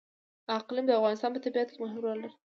اقلیم د افغانستان په طبیعت کې مهم رول لري.